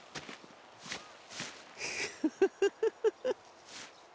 フフフフフ。